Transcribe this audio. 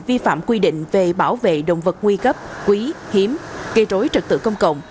vi phạm quy định về bảo vệ động vật nguy cấp quý hiếm kỳ rối trực tự công cộng